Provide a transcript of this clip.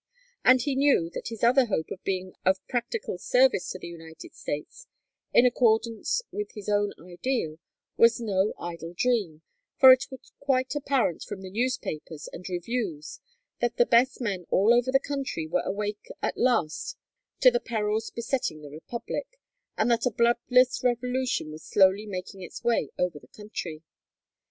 And he knew that his other hope of being of practical service to the United States in accordance with his own ideal was no idle dream, for it was quite apparent from the newspapers and reviews that the best men all over the country were awake at last to the perils besetting the Republic, and that a bloodless revolution was slowly making its way over the country.